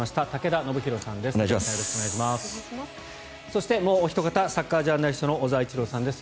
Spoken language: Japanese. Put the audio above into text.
そしてもうおひと方サッカージャーナリストの小澤一郎さんです